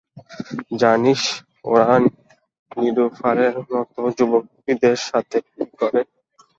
জানিস ওরা নিলুফারের মতো যুবতীদের সাথে কী করে?